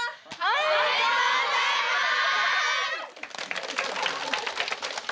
おめでとうございます！